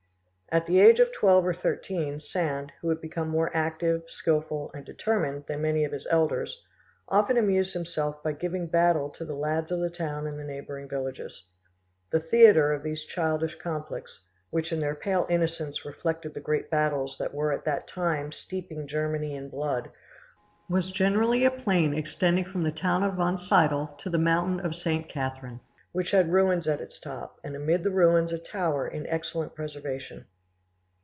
At the age of twelve or thirteen, Sand, who had become more active, skilful, and determined than many of his elders, often amused himself by giving battle to the lads of the town and of the neighbouring villages. The theatre of these childish conflicts, which in their pale innocence reflected the great battles that were at that time steeping Germany in blood, was generally a plain extending from the town of Wonsiedel to the mountain of St. Catherine, which had ruins at its top, and amid the ruins a tower in excellent preservation.